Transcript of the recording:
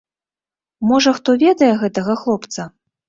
Можа хто ведае гэтага хлопца?